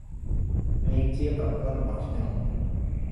នាងជាប្រពន្ធរបស់ខ្ញុំ។